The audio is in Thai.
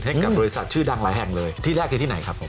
ให้กับบริษัทชื่อดังหลายแห่งเลยที่แรกคือที่ไหนครับ